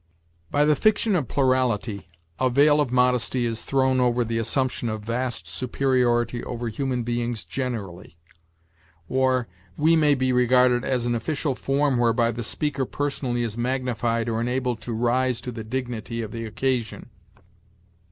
By the fiction of plurality a veil of modesty is thrown over the assumption of vast superiority over human beings generally. Or, 'we' may be regarded as an official form whereby the speaker personally is magnified or enabled to rise to the dignity of the occasion.